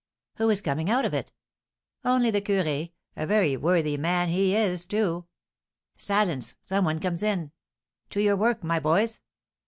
"Who is coming out of it?" "Only the curé, a very worthy man he is, too." "Silence! Some one comes in! To your work, my boys!"